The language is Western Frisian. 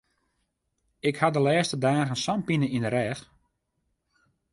Ik ha de lêste dagen sa'n pine yn de rêch.